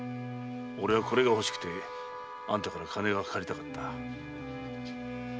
俺はこれが欲しくてあんたから金が借りたかった。